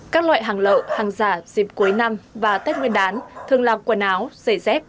các loại hàng lậu hàng giả dịp cuối năm và tết nguyên đán thường làm quần áo giày dép